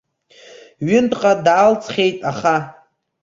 Ҩынтәҟа даалҵхьеит, аха.